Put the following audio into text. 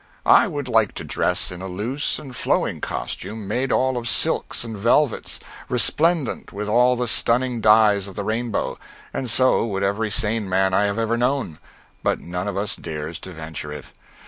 I would like to dress in a loose and flowing costume made all of silks and velvets, resplendent with all the stunning dyes of the rainbow, and so would every sane man I have ever known; but none of us dares to venture it.